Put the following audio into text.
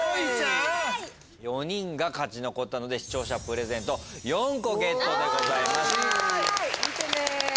４人が勝ち残ったので視聴者プレゼント４個ゲットでございます。